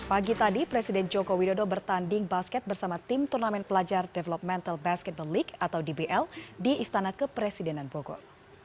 pagi tadi presiden joko widodo bertanding basket bersama tim turnamen pelajar developmental basketball league atau dbl di istana kepresidenan bogor